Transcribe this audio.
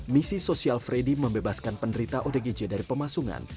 misi sosial freddy membebaskan penderita odgj dari pemasungan